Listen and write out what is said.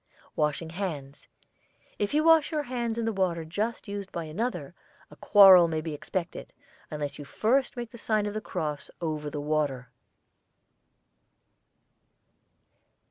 WASHING HANDS. If you wash your hands in the water just used by another, a quarrel may be expected, unless you first make the sign of the cross over the water.